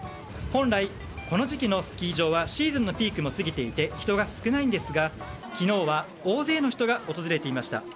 本来、この時期のスキー場はシーズンのピークも過ぎていて人が少ないんですが、昨日は大勢の人が訪れていました。